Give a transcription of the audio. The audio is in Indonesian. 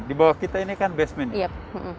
di bawah kita ini kan basement